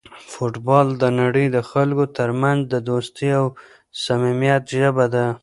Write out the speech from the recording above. فوټبال د نړۍ د خلکو ترمنځ د دوستۍ او صمیمیت ژبه ده.